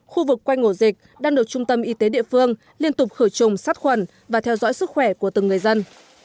khu vực quanh ổ dịch đang được trung tâm y tế địa phương liên tục khử trùng sát khuẩn và theo dõi sức khỏe của từng người dân